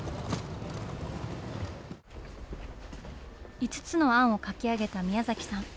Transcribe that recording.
５つの案を書き上げた宮崎さん。